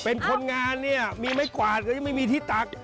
เป็นคนงานเนี่ยมีไม้กวาดก็ยังไม่มีที่ตัก